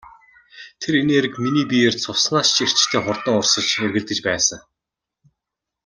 Тэр энерги миний биеэр цуснаас ч эрчтэй хурдан урсан эргэлдэж байсан.